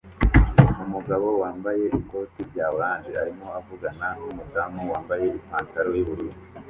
Umugabo wambaye ikoti rya orange arimo avugana numudamu wambaye ipantaro yubururu